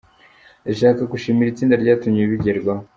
Ndashaka gushimira itsinda ryatumye ibi bigerwaho.